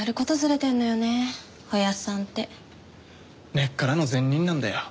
根っからの善人なんだよ。